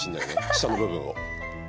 下の部分を。